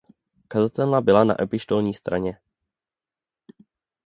Kazatelna byla na epištolní straně.